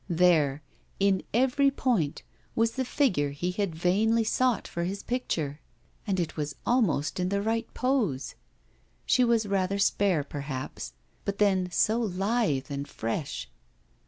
There, in every point, was the figure he had vainly sought for his picture, and it was almost in the right pose. She was rather spare, perhaps, but then so lithe and fresh.